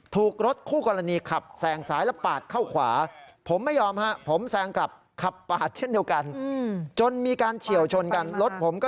ถูกรถคู่กรณีขับแซงซ้ายและปาดเข้าขวา